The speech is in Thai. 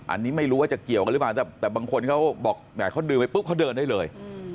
อันนี้ไม่รู้ว่าจะเกี่ยวกันหรือเปล่าแต่บางคนเขาบอกแหมเขาดื่มไปปุ๊บเขาเดินได้เลย